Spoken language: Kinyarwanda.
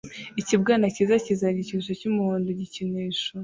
Ikibwana cyiza kizana igikinisho cyumuhondo igikinisho